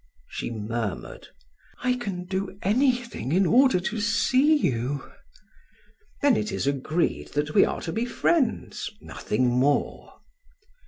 She murmured: "I can do anything in order to see you." "Then it is agreed that we are to be friends, nothing more."